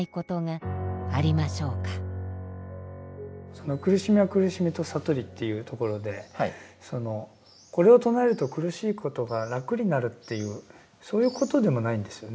その「苦しみを苦しみと悟り」というところでこれを唱えると苦しいことが楽になるというそういうことでもないんですよね？